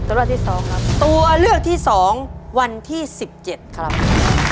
ตัวเลือกที่สองครับตัวเลือกที่สองวันที่สิบเจ็ดครับ